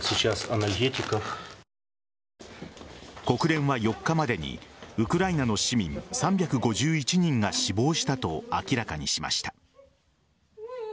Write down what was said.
国連は４日までにウクライナの市民３５１人が死亡したと明らかにしました。